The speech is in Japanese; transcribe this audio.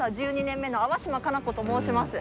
１２年目の粟島佳奈子と申します。